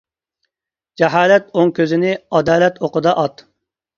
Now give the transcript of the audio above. جاھالەت ئوڭ كۆزىنى ئادالەت ئوقىدا ئات!